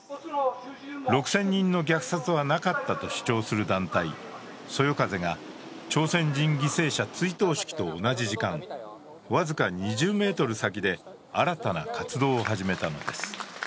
６０００人の虐殺はなかったと主張する団体、そよ風が朝鮮人犠牲者追悼式と同じ時間、僅か２０ｍ先で新たな活動を始めたのです。